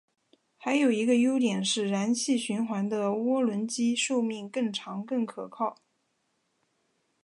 还有一个优点是燃气循环的涡轮机寿命更长更可靠。